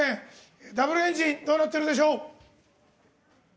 Ｗエンジンどうなってるでしょう？